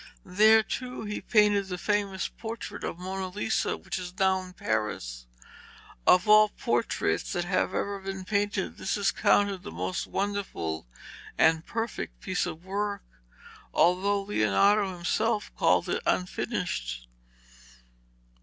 There too he painted the famous portrait of Mona Lisa, which is now in Paris. Of all portraits that have ever been painted this is counted the most wonderful and perfect piece of work, although Leonardo himself called it unfinished.